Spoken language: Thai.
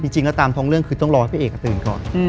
จริงแล้วตามท้องเรื่องคือต้องรอให้พี่เอกตื่นก่อน